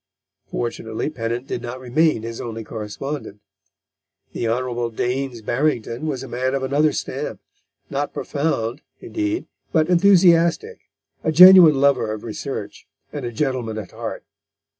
Fortunately Pennant did not remain his only correspondent. The Hon. Daines Barrington was a man of another stamp, not profound, indeed, but enthusiastic, a genuine lover of research, and a gentleman at heart.